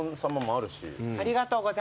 ありがとうございます。